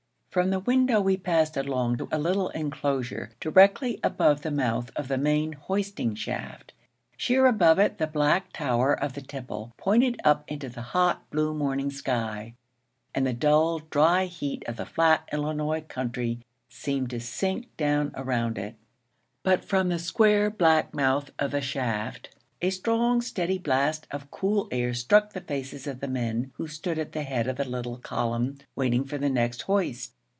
From the window we passed along to a little inclosure directly above the mouth of the main hoisting shaft. Sheer above it the black tower of the tipple pointed up into the hot, blue morning sky; and the dull, dry heat of the flat Illinois country seemed to sink down around it. But from the square, black mouth of the shaft a strong, steady blast of cool air struck the faces of the men who stood at the head of the little column waiting for the next hoist.